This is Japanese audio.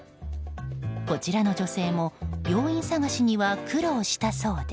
こちらの女性も病院探しには苦労したそうで。